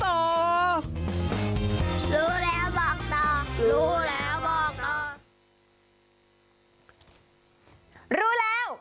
รู้แล้วบอกต่อรู้แล้วบอกต่อ